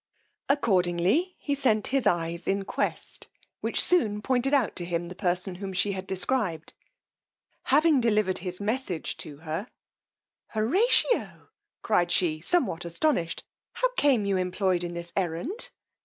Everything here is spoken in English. Accordingly he sent his eyes in quest, which soon pointed out to him the person whom she had described: having delivered his message to her; Horatio! cried she, somewhat astonished, how came you employed in this errand?